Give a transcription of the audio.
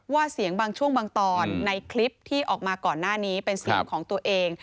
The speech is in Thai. เสียงบางช่วงบางตอนในคลิปที่ออกมาก่อนหน้านี้เป็นเสียงของตัวเอง